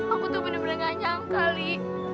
aku tuh bener bener gak nyangka li